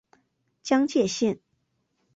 江界线